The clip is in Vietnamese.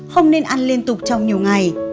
không nên ăn liên tục trong nhiều ngày